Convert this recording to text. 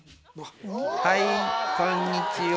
はいこんにちは。